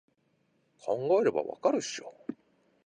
考えればわかるでしょ